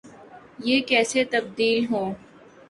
یہ کیسے تبدیل ہوں۔